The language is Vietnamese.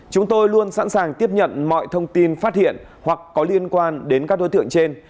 chúng tôi luôn sẵn sàng tiếp nhận mọi thông tin phát hiện hoặc có liên quan đến các đối tượng trên